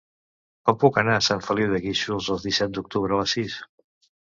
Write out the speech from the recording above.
Com puc anar a Sant Feliu de Guíxols el disset d'octubre a les sis?